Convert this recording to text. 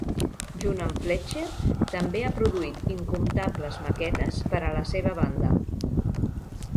Junt amb Fletcher, també ha produït incomptables maquetes para la seva banda.